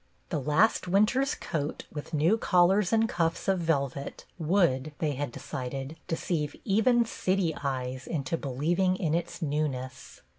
The last winter's coat with new collar and cuffs of velvet would, they had decided, deceive even city eyes into believ ing in its newness.